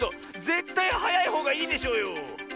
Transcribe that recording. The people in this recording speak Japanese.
ぜったいはやいほうがいいでしょうよ！